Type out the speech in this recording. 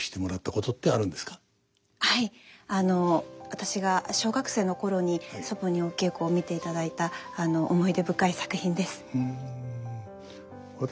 私が小学生の頃に祖母にお稽古を見ていただいた思い出深い作品です。